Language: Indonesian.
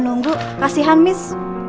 nunggu kasihan miss